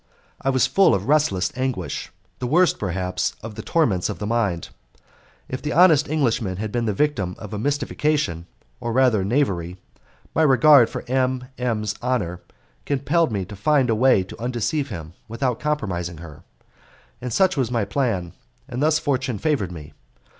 I was full of restless anguish the worst, perhaps, of the torments of the mind. If the honest Englishman had been the victim of a mystification, or rather knavery, my regard for M M 's honour compelled me to find a way to undeceive him without compromising her; and such was my plan, and thus fortune favoured me.